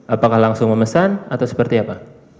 apakah langsung memesan atau seperti apa